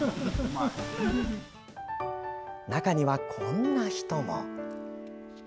中には、こんな人も。